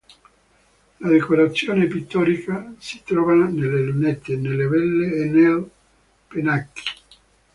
La decorazione pittorica si trova nelle lunette, nelle vele e nei pennacchi.